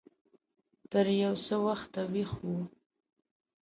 تر يو څه وخته ويښ و.